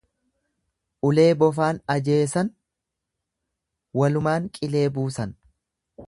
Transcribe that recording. Ulee bofaan ajeesan walumaan qilee buusan.